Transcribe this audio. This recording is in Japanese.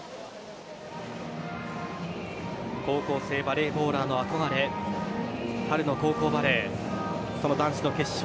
高校生バレーボーラーの憧れ春の高校バレー、その男子の決勝